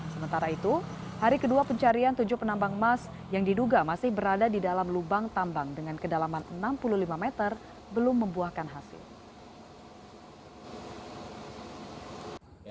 sementara itu hari kedua pencarian tujuh penambang emas yang diduga masih berada di dalam lubang tambang dengan kedalaman enam puluh lima meter belum membuahkan hasil